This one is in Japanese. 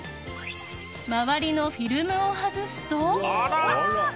周りのフィルムを外すと。